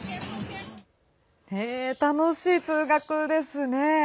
楽しい通学ですね。